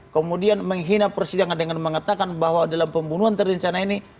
kemudian menghina persidangan dengan mengatakan bahwa dalam pembunuhan terencana ini